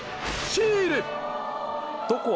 シール‼